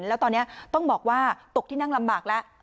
แล้วตอนนี้ต้องบอกว่าตกที่นั่งลำบากแล้ว